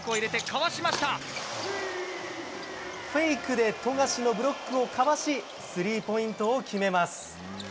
フェイクで富樫のブロックをかわしスリーポイントを決めます。